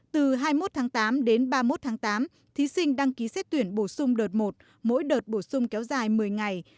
từ hai mươi một tháng tám đến ba mươi một tháng tám thí sinh đăng ký xét tuyển bổ sung đợt một mỗi đợt bổ sung kéo dài một mươi ngày